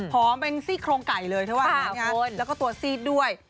พร้อมเป็นซี่โครงไก่เลยแล้วก็ตรวจซีดด้วย